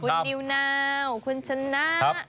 คุณนิวนาวคุณชนะ